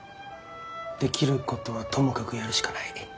できることはともかくやるしかない。